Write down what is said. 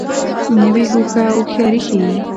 نوې هوښه هوښیاري ښیي